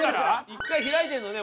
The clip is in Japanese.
一回開いてるのね